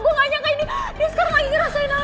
untuk memastikan apakah kebutaan ini hanya sementara